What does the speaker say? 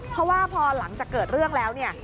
เพราะว่าพอหลังจากเกิดเรื่องแล้วเนี่ย